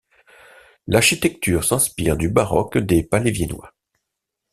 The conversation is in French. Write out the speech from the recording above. L’architecture s'inspire du baroque des palais viennois.